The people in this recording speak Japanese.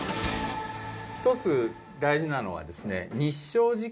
一つ大事なのはですね